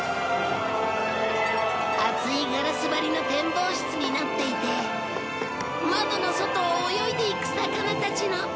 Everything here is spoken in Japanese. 厚いガラス張りの展望室になっていて窓の外を泳いでいく魚たちの夢のような美しさ。